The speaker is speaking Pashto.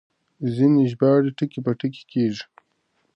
ځينې ژباړې ټکي په ټکي کېږي.